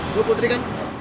lu putri kan